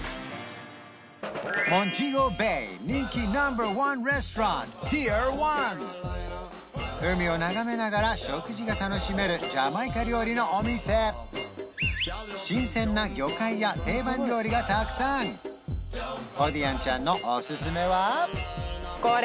モンテゴベイ人気ナンバーワン海を眺めながら食事が楽しめるジャマイカ料理のお店新鮮な魚介や定番料理がたくさんコディアンちゃんのおすすめはこれ